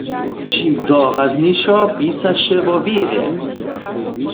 Ćim doraznišo pisaše wo wěrje.